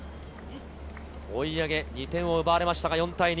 追い上げ、２点を奪われましたが４対２。